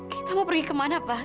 kita mau pergi kemana pak